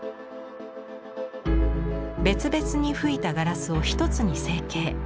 別々に吹いたガラスを一つに成形。